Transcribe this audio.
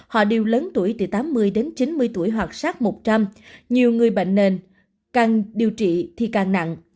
họ đều lớn tuổi từ tám mươi đến chín mươi tuổi hoặc sát một trăm linh nhiều người bệnh nền càng điều trị thì càng nặng